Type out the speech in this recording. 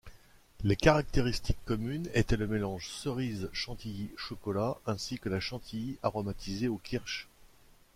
Les caractéristiques communes étaient le mélange cerises-chantilly-chocolat, ainsi que la chantilly aromatisée au kirsch.